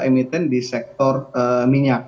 mungkin di sektor minyak